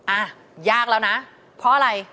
อ่ะยากแล้วนะเพราะอะไร